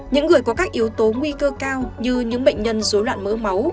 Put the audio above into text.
những người có các yếu tố nguy cơ cao như những bệnh nhân dối loạn mỡ máu